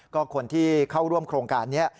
ก็คนที่เข้าร่วมโครงการนี้